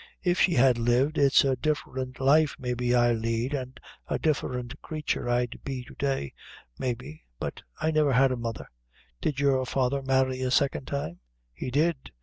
If she had lived, it's a different life maybe I'd lead an' a different creature I'd be to day, maybe, but I never had a mother." "Did your father marry a second time?" "He did."